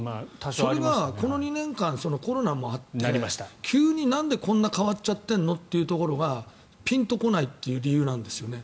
それがこの２年間コロナもあって急になんでこんなに変わっちゃってるの？というところがピンと来ないという理由なんですよね。